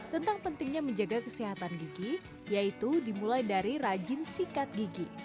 tentang pentingnya menjaga kesehatan gigi yaitu dimulai dari rajin sikat gigi